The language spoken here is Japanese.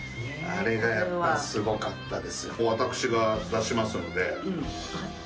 あれがやっぱりすごかったです。